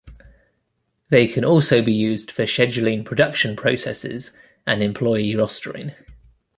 They can also be used for scheduling production processes and employee rostering.